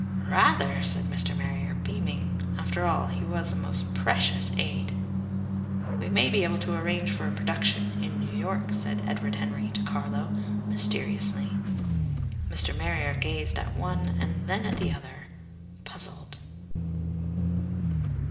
"Rather!" said Mr. Marrier, beaming. After all he was a most precious aid. "We may be able to arrange for a production in New York," said Edward Henry to Carlo, mysteriously. Mr. Marrier gazed at one and then at the other, puzzled.